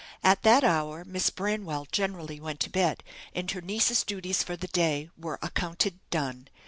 At that hour, Miss Branwell generally went to bed, and her nieces' duties for the day were accounted done.